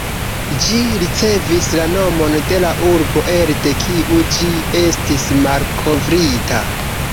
Ĝi ricevis la nomon de la urbo, elde kiu ĝi estis malkovrita.